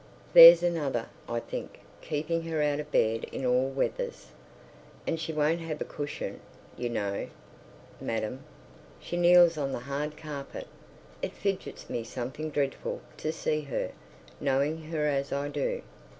"There's another," I think, "keeping her out of her bed in all weathers." And she won't have a cushion, you know, madam; she kneels on the hard carpet. It fidgets me something dreadful to see her, knowing her as I do.